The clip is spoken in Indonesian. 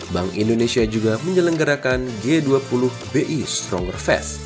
bank indonesia juga menyelenggarakan g dua puluh bi stronger fest